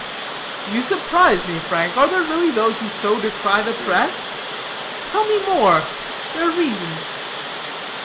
"You surprise me, Frank. Are there really those who so decry the press? Tell me more. Their reasons."